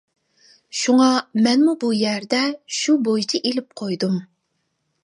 شۇڭا مەنمۇ بۇ يەردە شۇ بويىچە ئېلىپ قويدۇم.